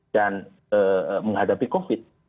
dan menghadapi covid